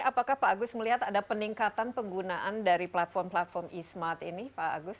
apakah pak agus melihat ada peningkatan penggunaan dari platform platform e smart ini pak agus